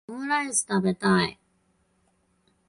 オムライス食べたい